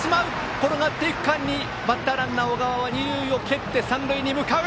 転がっている間にバッターランナー小川は三塁へ向かう。